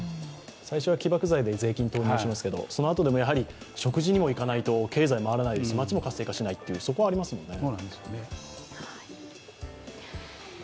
最初は起爆剤で税金投入しますけどそのあと、食事にも行かないと経済は回らないし街も活性化しない、そこがありますからね。